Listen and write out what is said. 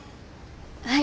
はい。